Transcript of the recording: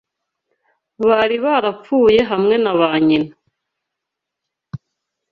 Bari barapfuye hamwe na ba nyina